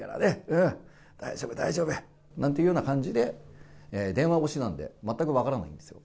うん、大丈夫、大丈夫。なんていうような感じで、電話越しなんで、全く分かんないですよ。